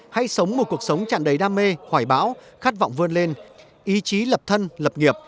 hãy sống một cuộc sống chẳng đầy đam mê hoài bão khát vọng vươn lên ý chí lập thân lập nghiệp